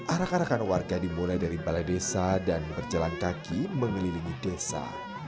arak arakan warga dimulai dari balai desa dan berjalan kaki mengelilingi desa